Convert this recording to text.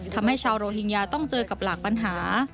ทำให้ชาวโรฮิงญาต้องเจอกับหลากปัญหา